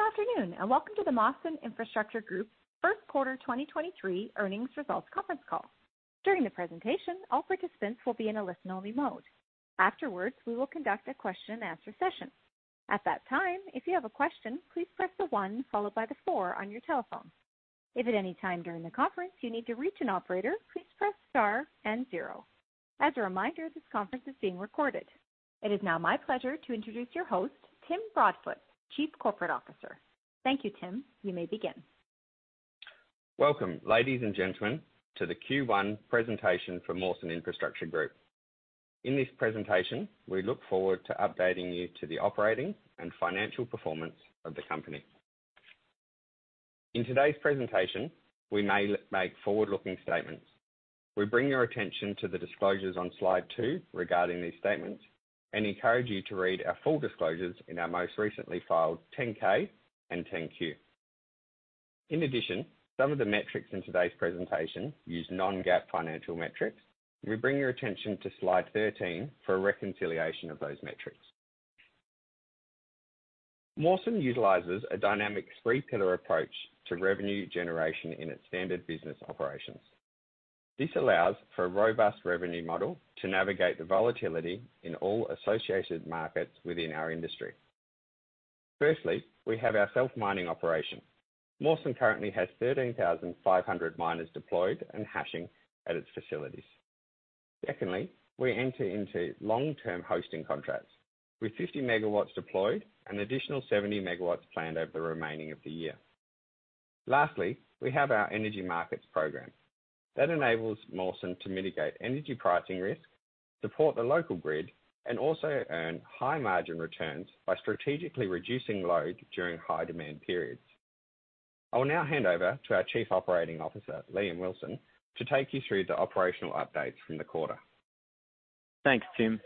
Good afternoon, and welcome to the Mawson Infrastructure Group first quarter 2023 earnings results conference call. During the presentation, all participants will be in a listen-only mode. Afterwards, we will conduct a question and answer session. At that time, if you have a question, please press the one followed by the four on your telephone. If at any time during the conference you need to reach an operator, please press star and zero. As a reminder, this conference is being recorded. It is now my pleasure to introduce your host, Tim Broadfoot, Chief Corporate Officer. Thank you, Tim. You may begin. Welcome, ladies and gentlemen, to the Q1 presentation for Mawson Infrastructure Group. In this presentation, we look forward to updating you to the operating and financial performance of the company. In today's presentation, we may make forward-looking statements. We bring your attention to the disclosures on slide two regarding these statements and encourage you to read our full disclosures in our most recently filed 10-K and 10-Q. Some of the metrics in today's presentation use non-GAAP financial metrics. We bring your attention to slide 13 for a reconciliation of those metrics. Mawson utilizes a dynamic three-pillar approach to revenue generation in its standard business operations. This allows for a robust revenue model to navigate the volatility in all associated markets within our industry. We have our self-mining operation. Mawson currently has 13,500 miners deployed and hashing at its facilities. Secondly, we enter into long-term hosting contracts with 50 MW deployed and additional 70 MW planned over the remaining of the year. Lastly, we have our energy markets program that enables Mawson to mitigate energy pricing risk, support the local grid, and also earn high margin returns by strategically reducing load during high demand periods. I will now hand over to our Chief Operating Officer, Liam Wilson, to take you through the operational updates from the quarter. Thanks, Tim.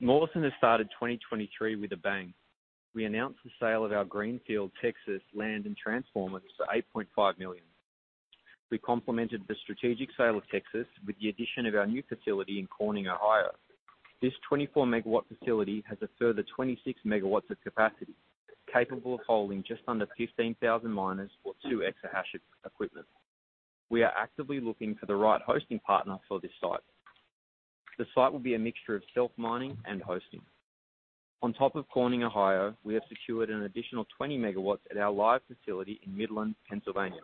Mawson has started 2023 with a bang. We announced the sale of our greenfield Texas land and transformers for $8.5 million. We complemented the strategic sale of Texas with the addition of our new facility in Corning, Ohio. This 24 MW facility has a further 26 MW of capacity capable of holding just under 15,000 miners or 2 exahash of equipment. We are actively looking for the right hosting partner for this site. The site will be a mixture of self-mining and hosting. On top of Corning, Ohio, we have secured an additional 20 MW at our live facility in Midland, Pennsylvania.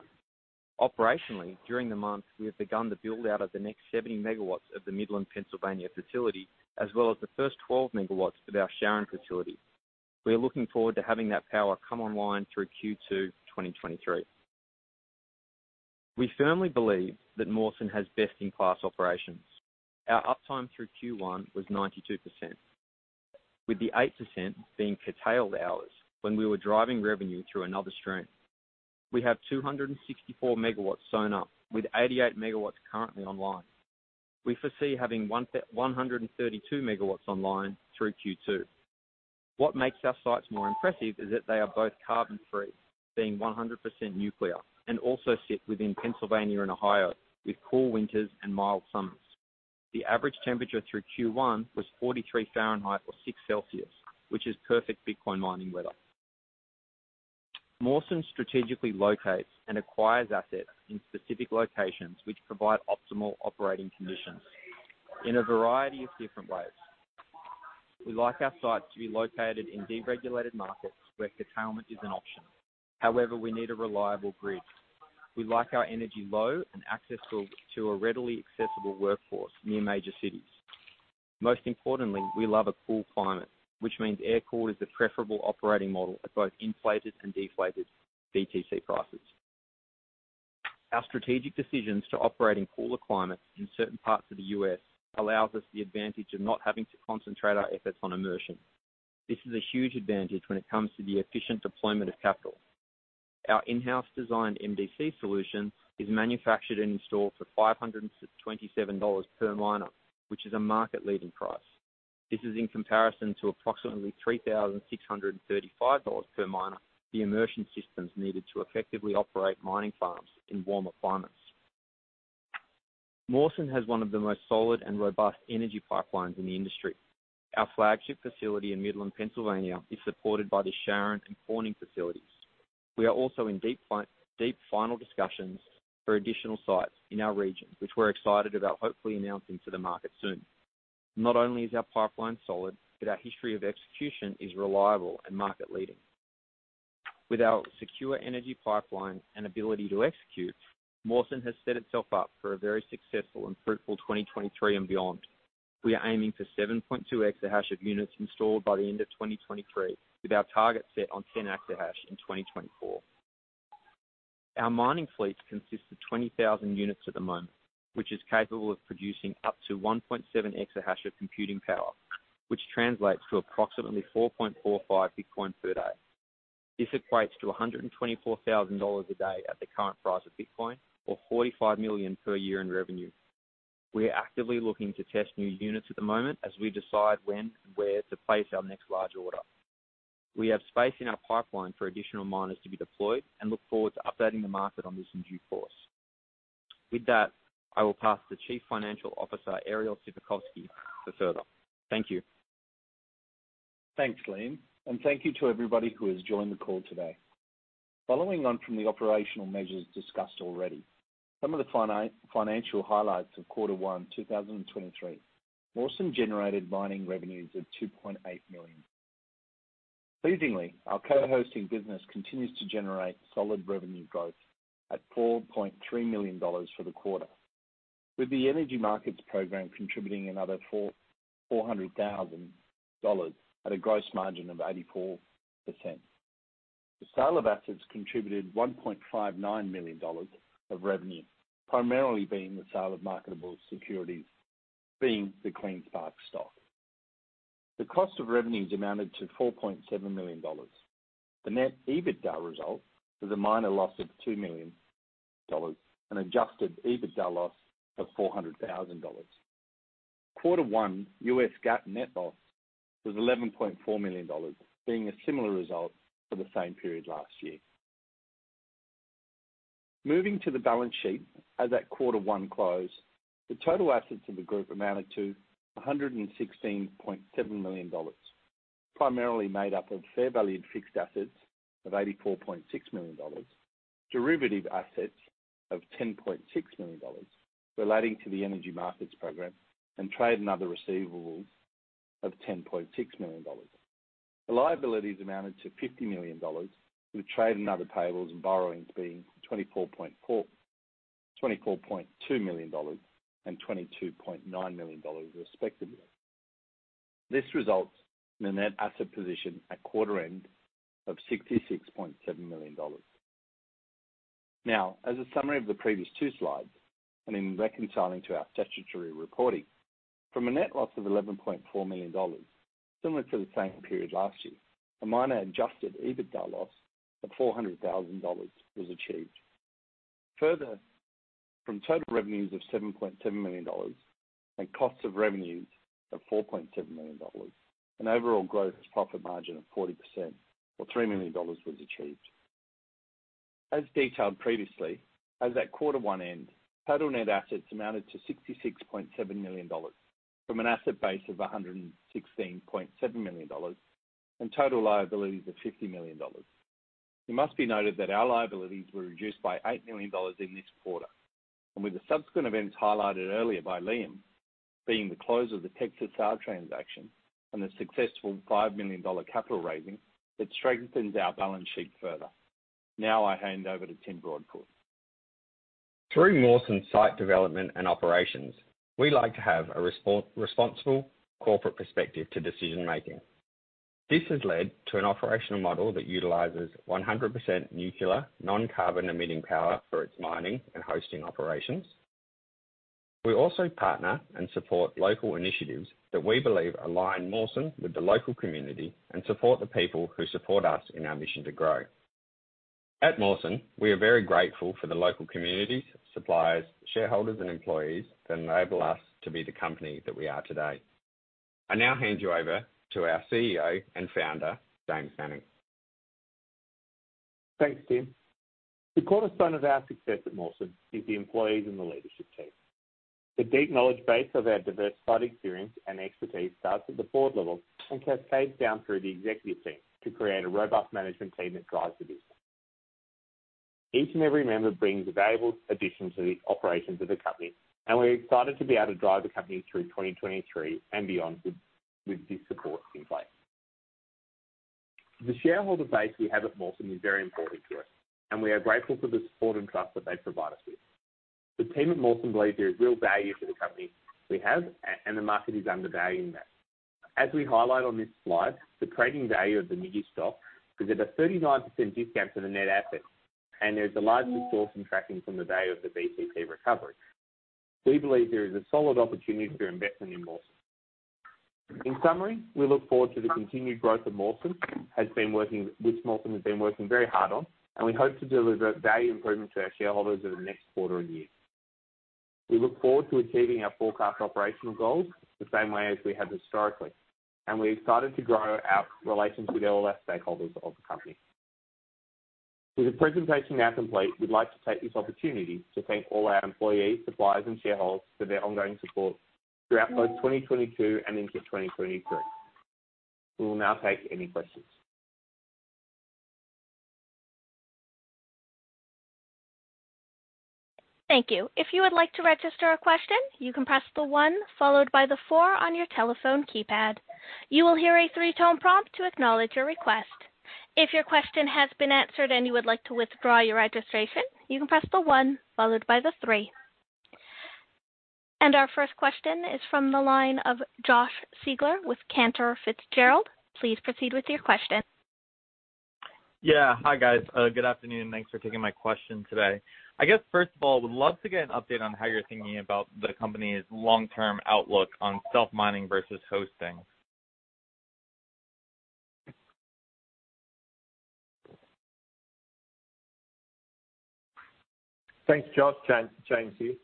Operationally, during the month, we have begun the build-out of the next 70 MW of the Midland, Pennsylvania facility, as well as the first 12 MW of our Sharon facility. We are looking forward to having that power come online through Q2 2023. We firmly believe that Mawson has best in class operations. Our uptime through Q1 was 92%, with the 8% being curtailed hours when we were driving revenue through another stream. We have 264 MW sewn up with 88 MW currently online. We foresee having 132 MW online through Q2. What makes our sites more impressive is that they are both carbon-free, being 100% nuclear, and also sit within Pennsylvania and Ohio with cool winters and mild summers. The average temperature through Q1 was 43 degrees Fahrenheit or 6 degrees Celsius, which is perfect Bitcoin mining weather. Mawson strategically locates and acquires assets in specific locations which provide optimal operating conditions in a variety of different ways. We like our sites to be located in deregulated markets where curtailment is an option. We need a reliable grid. We like our energy low and access to a readily accessible workforce near major cities. Most importantly, we love a cool climate, which means air cool is the preferable operating model at both inflated and deflated BTC prices. Our strategic decisions to operate in cooler climates in certain parts of the U.S. allows us the advantage of not having to concentrate our efforts on immersion. This is a huge advantage when it comes to the efficient deployment of capital. Our in-house designed MDC solution is manufactured and installed for $527 per miner, which is a market leading price. This is in comparison to approximately $3,635 per miner the immersion systems needed to effectively operate mining farms in warmer climates. Mawson has one of the most solid and robust energy pipelines in the industry. Our flagship facility in Midland, Pennsylvania is supported by the Sharon and Corning facilities. We are also in deep final discussions for additional sites in our region, which we're excited about hopefully announcing to the market soon. Not only is our pipeline solid, but our history of execution is reliable and market leading. With our secure energy pipeline and ability to execute, Mawson has set itself up for a very successful and fruitful 2023 and beyond. We are aiming for 7.2 exahash of units installed by the end of 2023, with our target set on 10 exahash in 2024. Our mining fleets consist of 20,000 units at the moment, which is capable of producing up to 1.7 exahash of computing power, which translates to approximately 4.45 Bitcoin per day. This equates to $124,000 a day at the current price of Bitcoin or $45 million per year in revenue. We are actively looking to test new units at the moment as we decide when and where to place our next large order We have space in our pipeline for additional miners to be deployed and look forward to updating the market on this in due course. With that, I will pass to Chief Financial Officer, Ariel Sivikofsky, for further. Thank you. Thanks, Liam, and thank you to everybody who has joined the call today. Following on from the operational measures discussed already, some of the financial highlights of Q1 2023. Mawson generated mining revenues of $2.8 million. Pleasingly, our co-hosting business continues to generate solid revenue growth at $4.3 million for the quarter, with the energy markets program contributing another $400,000 at a gross margin of 84%. The sale of assets contributed $1.59 million of revenue, primarily being the sale of marketable securities, being the CleanSpark stock. The cost of revenues amounted to $4.7 million. The net EBITDA result was a minor loss of $2 million, an adjusted EBITDA loss of $400,000. Quarter 1 U.S. GAAP net loss was $11.4 million, being a similar result for the same period last year. Moving to the balance sheet. As at Quarter 1 close, the total assets of the group amounted to $116.7 million, primarily made up of fair valued fixed assets of $84.6 million, derivative assets of $10.6 million relating to the energy markets program, and trade and other receivables of $10.6 million. The liabilities amounted to $50 million, with trade and other payables and borrowings being $24.2 million and $22.9 million, respectively. This results in a net asset position at quarter end of $66.7 million. As a summary of the previous two slides and in reconciling to our statutory reporting, from a net loss of $11.4 million, similar to the same period last year, a minor adjusted EBITDA loss of $400,000 was achieved. From total revenues of $7.7 million and cost of revenues of $4.7 million, an overall gross profit margin of 40% or $3 million was achieved. As detailed previously, as at quarter one end, total net assets amounted to $66.7 million from an asset base of $116.7 million and total liabilities of $50 million. It must be noted that our liabilities were reduced by $8 million in this quarter, and with the subsequent events highlighted earlier by Liam, being the close of the Texas transaction and the successful $5 million capital raising, it strengthens our balance sheet further. Now I hand over to Tim Broadfoot. Through Mawson site development and operations, we like to have a responsible corporate perspective to decision-making. This has led to an operational model that utilizes 100% nuclear non-carbon emitting power for its mining and hosting operations. We also partner and support local initiatives that we believe align Mawson with the local community and support the people who support us in our mission to grow. At Mawson, we are very grateful for the local communities, suppliers, shareholders and employees that enable us to be the company that we are today. I now hand you over to our CEO and founder, James Manning. Thanks, Tim. The cornerstone of our success at Mawson is the employees and the leadership team. The deep knowledge base of our diverse site experience and expertise starts at the board level and cascades down through the executive team to create a robust management team that drives the business. Each and every member brings a valuable addition to the operations of the company. We're excited to be able to drive the company through 2023 and beyond with this support in place. The shareholder base we have at Mawson is very important to us and we are grateful for the support and trust that they provide us with. The team at Mawson believes there is real value to the company we have and the market is undervaluing that. As we highlight on this slide, the trading value of the MIGI stock is at a 39% discount to the net assets. There's a large resource in tracking from the value of the VCP recovery. We believe there is a solid opportunity for investment in Mawson. In summary, we look forward to the continued growth of Mawson, which Mawson has been working very hard on. We hope to deliver value improvement to our shareholders over the next quarter and year. We look forward to achieving our forecast operational goals the same way as we have historically. We're excited to grow our relations with all our stakeholders of the company. With the presentation now complete, we'd like to take this opportunity to thank all our employees, suppliers, and shareholders for their ongoing support throughout both 2022 and into 2023. We will now take any questions. Thank you. If you would like to register a question, you can press the one followed by the four on your telephone keypad. You will hear a three-tone prompt to acknowledge your request. If your question has been answered and you would like to withdraw your registration, you can press the onefollowed by the three. Our first question is from the line of Josh Siegel with Cantor Fitzgerald. Please proceed with your question. Yeah. Hi, guys. Good afternoon, and thanks for taking my question today. I guess first of all, I would love to get an update on how you're thinking about the company's long-term outlook on self-mining versus hosting. Thanks, Josh. James here.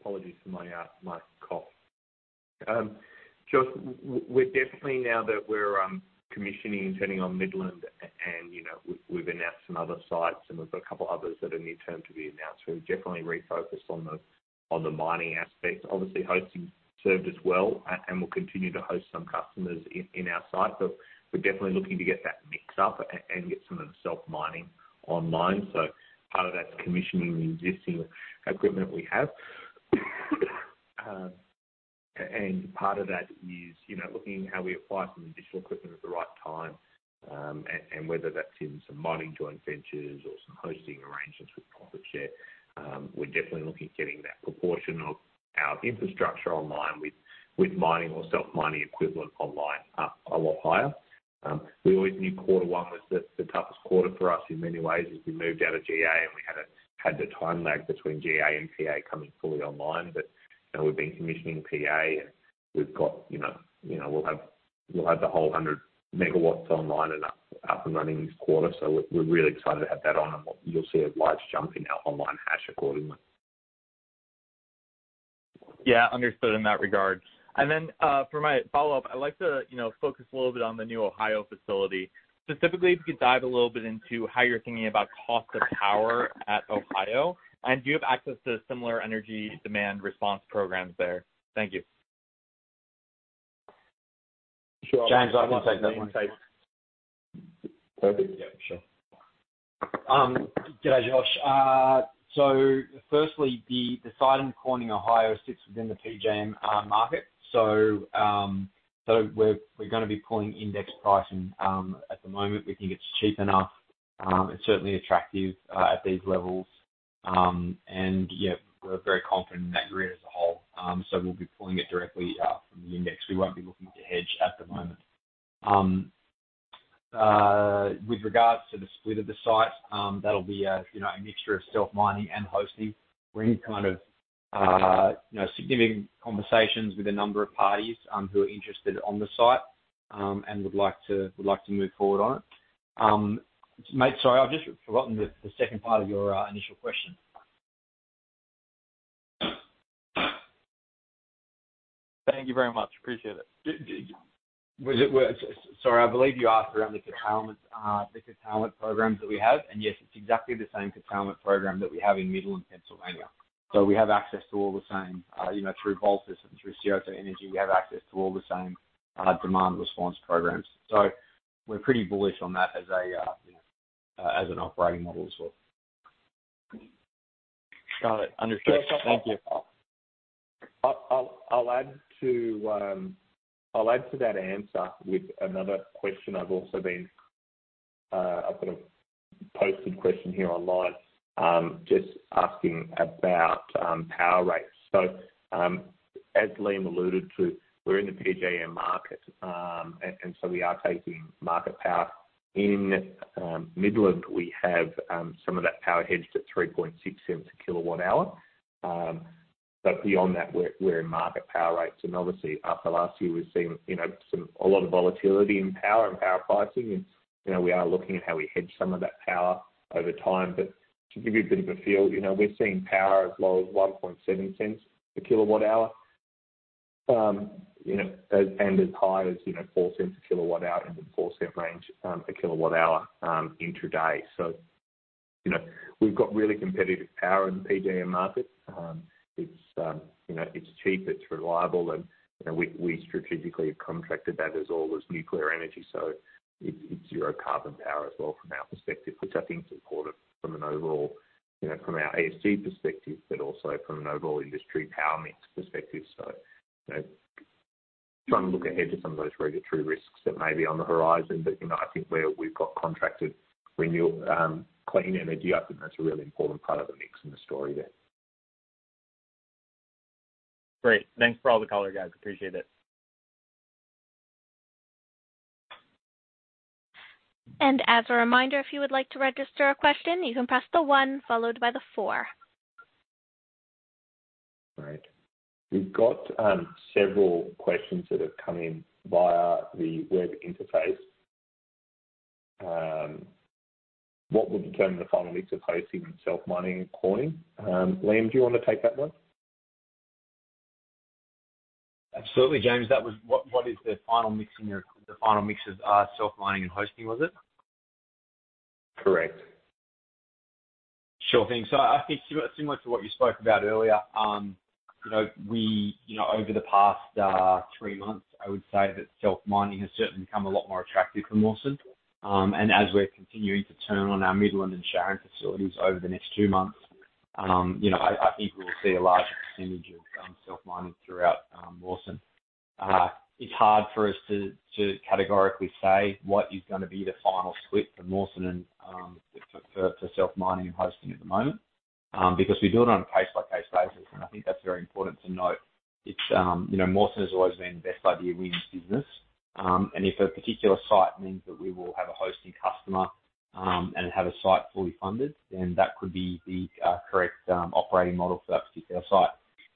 Apologies for my cough. Josh, we're definitely now that we're commissioning and turning on Midland and, you know, we've announced some other sites, and we've got a couple others that are near-term to be announced. We're definitely refocused on the mining aspect. Obviously, hosting served us well and will continue to host some customers in our site, but we're definitely looking to get that mixed up and get some of the self-mining online. Part of that's commissioning the existing equipment we have. Part of that is, you know, looking at how we apply some additional equipment at the right time, and whether that's in some mining joint ventures or some hosting arrangements with profit share. We're definitely looking at getting that proportion of our infrastructure online with mining or self-mining equivalent online, a lot higher. We always knew quarter one was the toughest quarter for us in many ways as we moved out of GA, and we had the time lag between GA and PA coming fully online. You know, we've been commissioning PA, and we've got, you know, we'll have the whole 100 MW online and up and running this quarter. We're really excited to have that on, and you'll see a large jump in our online hash accordingly. Yeah, understood in that regard. For my follow-up, I'd like to, you know, focus a little bit on the new Ohio facility. Specifically, if you could dive a little bit into how you're thinking about cost of power at Ohio, and do you have access to similar energy demand response programs there? Thank you. Sure. James, I can take that one. Perfect. Yeah, sure. Good day, Josh. Firstly, the site in Corning, Ohio, sits within the PJM market. We're gonna be pulling index pricing. At the moment, we think it's cheap enough. It's certainly attractive at these levels. Yeah, we're very confident in that grid as a whole. We'll be pulling it directly from the index. We won't be looking to hedge at the moment. With regards to the split of the site, that'll be a, you know, a mixture of self-mining and hosting. We're in kind of, you know, significant conversations with a number of parties who are interested on the site and would like to move forward on it. Mate, sorry, I've just forgotten the second part of your initial question. Thank you very much. Appreciate it. Sorry, I believe you asked around the curtailment programs that we have, yes, it's exactly the same curtailment program that we have in Midland, Pennsylvania. We have access to all the same, you know, through Voltus and through CPower Energy, we have access to all the same demand response programs. We're pretty bullish on that as a, you know, as an operating model as well. Got it. Understood. Thank you. I'll add to that answer with another question I've also been, I've got a posted question here online, just asking about power rates. As Liam alluded to, we're in the PJM market, and so we are taking market power. In Midland, we have some of that power hedged at $0.036 a kWh. But beyond that we're in market power rates. Obviously after last year, we've seen, you know, a lot of volatility in power and power pricing and, you know, we are looking at how we hedge some of that power over time. To give you a bit of a feel, you know, we're seeing power as low as $0.017 a kWh. you know, and as high as, you know, $0.04 a kWh into the $0.04 range, a kWh, intraday. you know, we've got really competitive power in the PJM market. it's, you know, it's cheap, it's reliable, and, you know, we strategically have contracted that as all as nuclear energy, so it's zero carbon power as well from our perspective, which I think is important from an overall, you know, from our ESG perspective, but also from an overall industry power mix perspective. you know, trying to look ahead to some of those regulatory risks that may be on the horizon. you know, I think we've got contracted renewable, clean energy, I think that's a really important part of the mix and the story there. Great. Thanks for all the color, guys. Appreciate it. As a reminder, if you would like to register a question, you can press the one followed by the four. Great. We've got several questions that have come in via the web interface. What would determine the final mix of hosting, self-mining, and coining? Liam, do you wanna take that one? Absolutely, James. That was what is the final mix in the final mix of self-mining and hosting, was it? Correct. Sure thing. I think similar to what you spoke about earlier, you know, we, you know, over the past three months, I would say that self-mining has certainly become a lot more attractive for Mawson. As we're continuing to turn on our Midland and Sharon facilities over the next two months, you know, I think we'll see a larger percentage of self-mining throughout Mawson. It's hard for us to categorically say what is gonna be the final split for Mawson and for self-mining and hosting at the moment, because we do it on a case-by-case basis, and I think that's very important to note. It's, you know, Mawson has always been best idea wins business. If a particular site means that we will have a hosting customer, and have a site fully funded, then that could be the correct operating model for that particular site.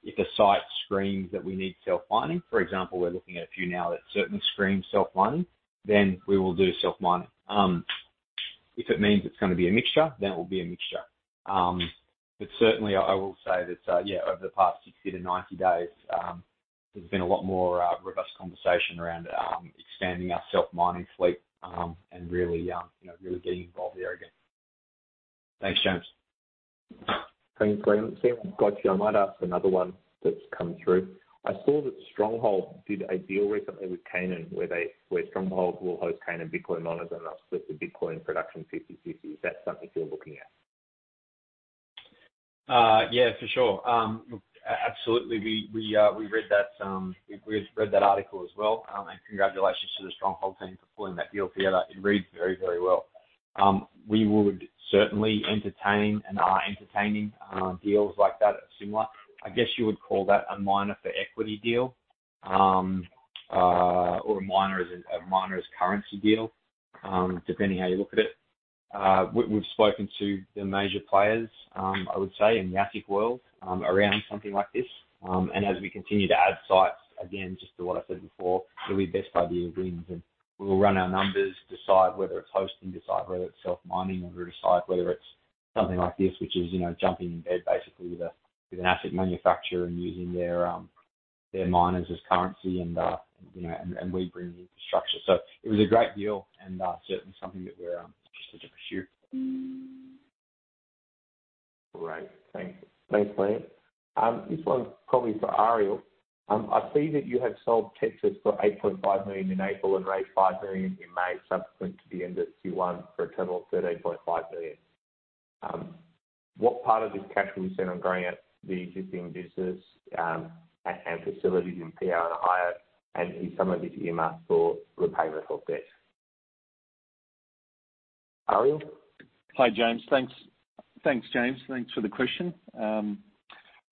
If a site screams that we need self-mining, for example, we're looking at a few now that certainly scream self-mining, then we will do self-mining. If it means it's gonna be a mixture, then it will be a mixture. Certainly, I will say that, over the past 60-90 days, there's been a lot more robust conversation around expanding our self-mining fleet, and really, you know, really getting involved there again. Thanks, James. Thanks, Liam. Seeing I've got you, I might ask another one that's come through. I saw that Stronghold did a deal recently with Canaan where Stronghold will host Canaan Bitcoin miners and they'll split the Bitcoin production 50/50. Is that something you're looking at? Yeah, for sure. Look, absolutely, we read that, we read that article as well. Congratulations to the Stronghold team for pulling that deal together. It reads very, very well. We would certainly entertain and are entertaining deals like that at similar. I guess you would call that a miner for equity deal, or a miner is currency deal, depending how you look at it. We've spoken to the major players, I would say in the ASIC world, around something like this. As we continue to add sites, again, just to what I said before, it'll be best value wins, and we will run our numbers, decide whether it's hosting, decide whether it's self-mining, or decide whether it's something like this, which is, you know, jumping in bed basically with an ASIC manufacturer and using their miners as currency and, you know, we bring the infrastructure. It was a great deal and certainly something that we're interested to pursue. Great. Thank you. Thanks, Liam. This one's probably for Ariel. I see that you have sold Texas for $8.5 million in April and raised $5 million in May subsequent to the end of Q1 for a total of $13.5 million. What part of this cash will be spent on growing out the existing business, and facilities in PR and Ohio, and is some of it earmarked for repaying the top debt? Ariel? Hi, James. Thanks, James. Thanks for the question.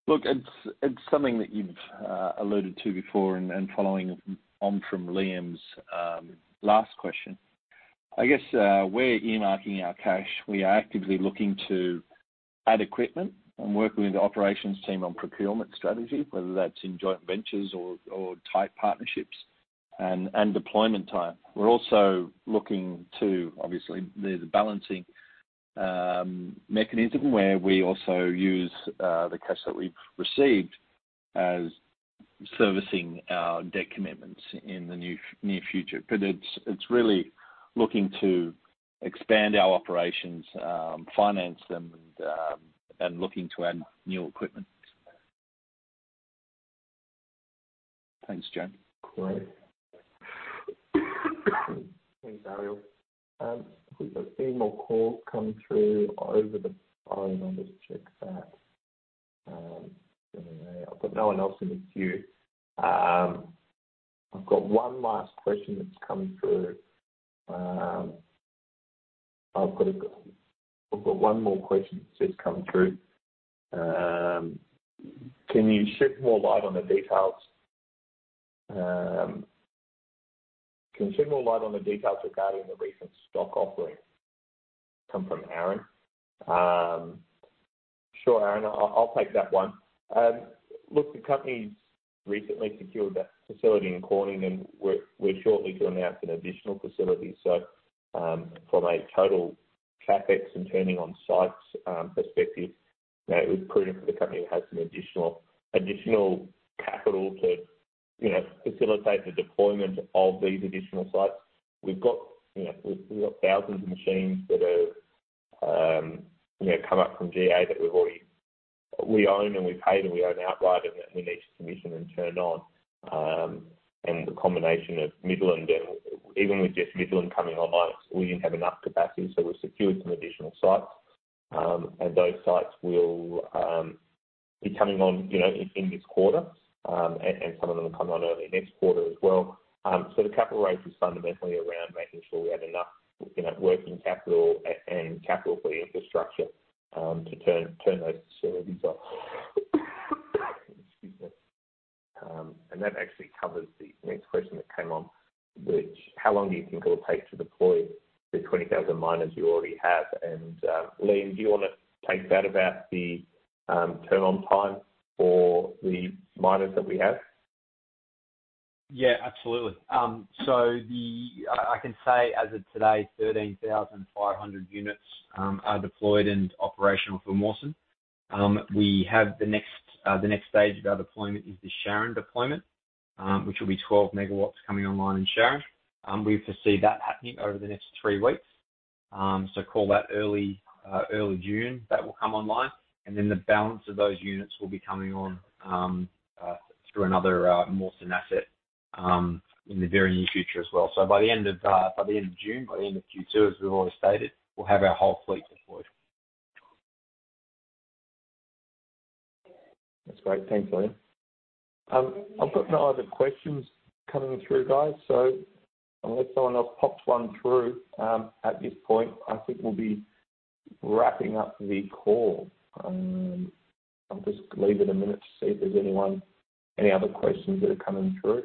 Look, it's something that you've alluded to before and following on from Liam's last question. I guess we're earmarking our cash. We are actively looking to add equipment and working with the operations team on procurement strategy, whether that's in joint ventures or tight partnerships and deployment time. We're also looking to obviously, there's a balancing mechanism where we also use the cash that we've received as servicing our debt commitments in the near future. It's really looking to expand our operations, finance them and looking to add new equipment. Thanks, James. Great. Thanks, Ariel. We've got a few more calls coming through over the phone. I'll just check that. Anyway, I've got no one else in the queue. I've got one more question that's just come through. Can you shed more light on the details regarding the recent stock offering? Come from Aaron. Sure, Aaron. I'll take that one. Look, the company's recently secured that facility in Corning, and we're shortly to announce an additional facility. From a total CapEx and turning on sites, perspective, you know, it was prudent for the company to have some additional capital to, you know, facilitate the deployment of these additional sites. We've got, you know, we've got thousands of machines that are, you know, come up from GA that we already own and we paid, and we own outright and that we need to commission and turn on. The combination of Midland and even with just Midland coming online, we didn't have enough capacity, so we secured some additional sites. Those sites will be coming on, you know, in this quarter, and some of them will come on early next quarter as well. The capital raise is fundamentally around making sure we have enough, you know, working capital and capital for the infrastructure, to turn those facilities on. Excuse me. That actually covers the next question that came on, which how long do you think it'll take to deploy the 20,000 miners you already have? Liam, do you wanna take that about the turn on time for the miners that we have? Yeah, absolutely. I can say as of today, 13,500 units are deployed and operational for Mawson. We have the next stage of our deployment is the Sharon deployment, which will be 12 MW coming online in Sharon. We foresee that happening over the next three weeks. Call that early June, that will come online. The balance of those units will be coming on through another Mawson asset in the very near future as well. By the end of June, by the end of Q2, as we've always stated, we'll have our whole fleet deployed. That's great. Thanks, Liam. I've got no other questions coming through, guys, so unless someone else pops one through, at this point, I think we'll be wrapping up the call. I'll just leave it a minute to see if there's anyone, any other questions that are coming through.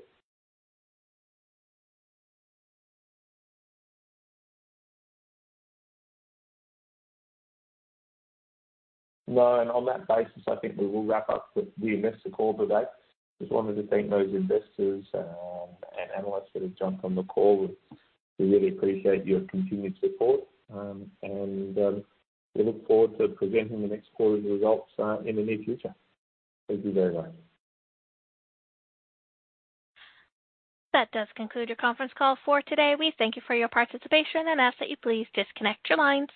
On that basis, I think we will wrap up the investor call today. Just wanted to thank those investors and analysts that have jumped on the call. We really appreciate your continued support, and we look forward to presenting the next quarter's results in the near future. Thank you very much. That does conclude your conference call for today. We thank you for your participation and ask that you please disconnect your lines.